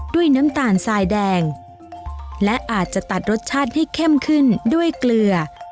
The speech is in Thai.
น้ำตาลทรายแดงและอาจจะตัดรสชาติให้เข้มขึ้นด้วยเกลือ